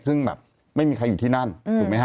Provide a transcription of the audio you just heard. ซึ่งแบบไม่มีใครอยู่ที่นั่นถูกไหมฮะ